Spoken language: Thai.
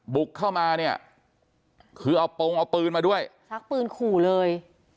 บุกเข้ามาเนี่ยคือเอาปงเอาปืนมาด้วยชักปืนขู่เลย